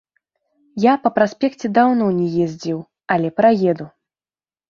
Я па праспекце даўно не ездзіў, але праеду.